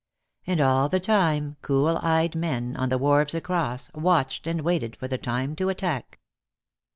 And all the time cool eyed men, on the wharves across, watched and waited for the time to attack.